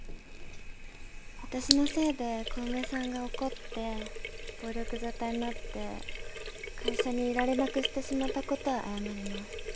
私のせいで小梅さんが怒って暴力沙汰になって会社にいられなくしてしまったことは謝ります。